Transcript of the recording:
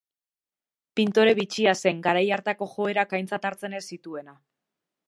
Pintore bitxia zen, garai hartako joerak aintzat hartzen ez zituena.